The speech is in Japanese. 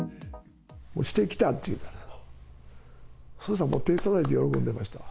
もうしてきたって言ったら、そしたら手たたいて喜んでました。